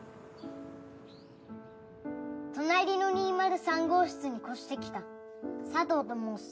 隣の２０３号室に越してきたさとうと申す。